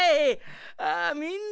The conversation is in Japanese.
ああみんな！